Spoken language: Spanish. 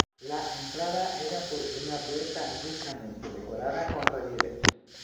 La entrada era por una puerta ricamente decorada con relieves.